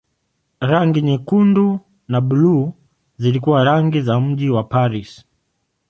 Rangi za nyekundu na buluu zilikuwa rangi za mji wa Paris.